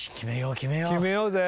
決めようぜ。